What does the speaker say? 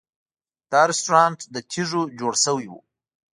دا رسټورانټ له تیږو جوړ شوی و.